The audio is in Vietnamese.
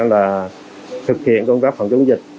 là thực hiện công tác phòng chống dịch